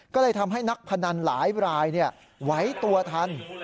ก็เลยทำให้นักพนันหลายรายไหวตัวทัน